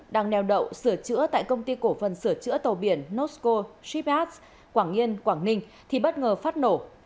đang neo đậu sửa chữa tại công ty cổ phần sửa chữa tàu biển nosco shipps quảng yên quảng ninh thì bất ngờ phát nổ